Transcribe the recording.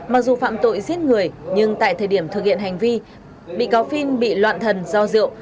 mặc dù phạm tội giết người nhưng tại thời điểm thực hiện hành vi bị cáo phiên bị loạn thần do rượu